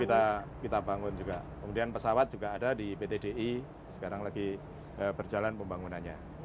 kita bangun juga kemudian pesawat juga ada di pt di sekarang lagi berjalan pembangunannya